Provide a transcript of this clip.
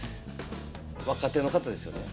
若手の方ですよね？